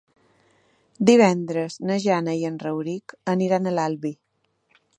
Divendres na Jana i en Rauric aniran a l'Albi.